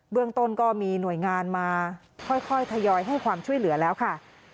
เรื่องต้นก็มีหน่วยงานมาค่อยทยอยให้ความช่วยเหลือแล้วค่ะ